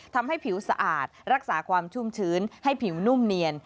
ทำให้ผิวสะอาดรักษาความชุ่มชื้นให้ผิวนุ่มเนียน